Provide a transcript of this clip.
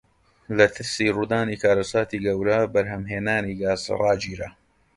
لە ترسی ڕوودانی کارەساتی گەورە بەرهەمهێنانی گاز ڕاگیرا.